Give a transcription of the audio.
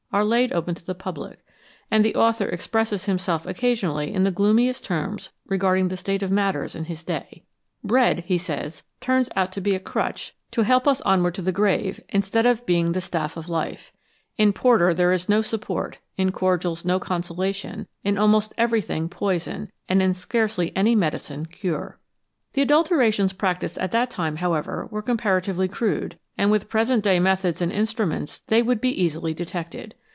are laid open to the public," and the author expresses himself occasionally in the gloomiest terms regarding the state of matters in his day. " Bread," he says, "turns out to be a crutch to help us onward to 260 THE ADULTERATION OF FOOD the grave, instead of being the staff of life. In porter there is no support, in cordials no consolation, in almost everything poison, and in scarcely any medicine cure/ 1 The adulterations practised at that time, however, were comparatively crude, and with present day methods and instruments they would be easily detected.